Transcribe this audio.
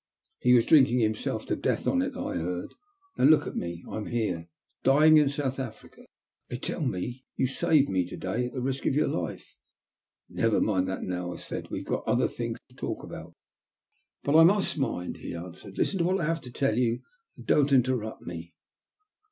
He was drinking himself to death on it, I heard. Now look at me, I'm here — dying in South Africa. They tell me you saved me to day at the risk of your life." " Never mind that now," I said. " We've got other things to talk about." " But I must mind," he answered. " Listen to what I have to tell you, and don't interrupt me.